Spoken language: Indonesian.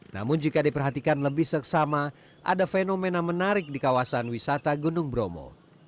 namun jika diperhatikan lebih seksama ada fenomena menarik di kawasan wisata gunung bromo